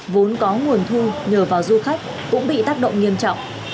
vốn có nguồn thu nhờ vào du khách cũng bị tác động nghiêm trọng